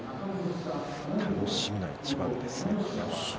楽しみな一番ですね。